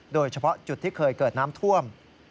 โดยเฉพาะจุดที่เคยเกิดน้ำท่วม